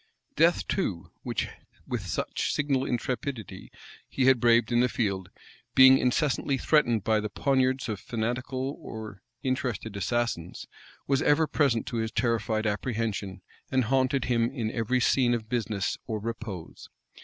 Death, too, which with such signal intrepidity he had braved in the field, being incessantly threatened by the poniards of fanatical or interested assassins, was ever present to his terrified apprehension, and haunted him in every scene of business or repose.